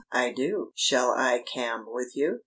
I do. Shall I cam with you?"